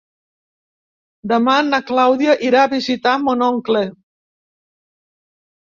Demà na Clàudia irà a visitar mon oncle.